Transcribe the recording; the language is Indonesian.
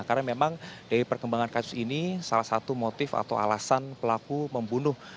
karena memang dari perkembangan kasus ini salah satu motif atau alasan pelaku membunuh